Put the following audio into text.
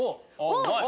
おっ！